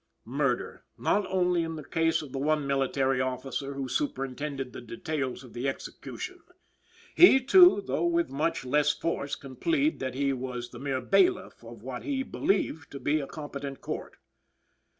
Murder, not only in the case of the one military officer who superintended the details of the execution. He, too, though with much less force, can plead that he was the mere bailiff of what he believed to be a competent Court.